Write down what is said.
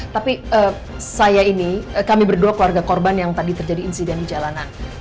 tapi saya ini kami berdua keluarga korban yang tadi terjadi insiden di jalanan